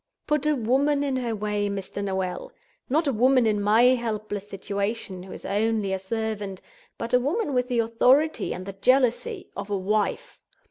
_ Put a woman in her way, Mr. Noel! Not a woman in my helpless situation, who is only a servant, but a woman with the authority and the jealousy of a Wife.